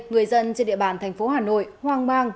người dân trên địa bàn thành phố hà nội hoang mang